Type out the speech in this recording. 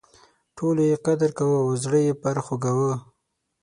ټولو یې قدر کاوه او زړه یې پر خوږاوه.